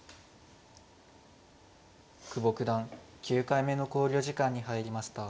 久保九段９回目の考慮時間に入りました。